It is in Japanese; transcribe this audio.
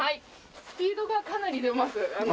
スピードがかなり出ます。